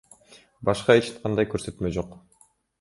Башка эч кандай көрсөтмө жок.